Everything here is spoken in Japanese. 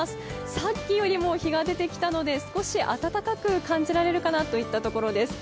さっきよりも日が出てきたので、少し暖かく感じられるかなといったところです。